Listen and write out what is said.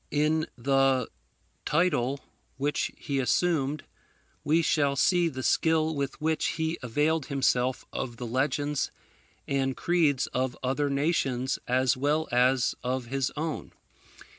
In the title which he assumed, we shall see the skill with which he availed himself of the legends and creeds of other nations as well as of his own.